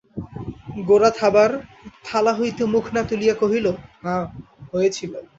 গোরা খাবার থালা হইতে মুখ না তুলিয়া কহিল, হাঁ, হয়েছিল।